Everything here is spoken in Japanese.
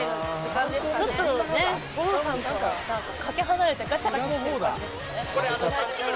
ちょっとゴロウさんとは懸け離れてガチャガチャしてる感じ。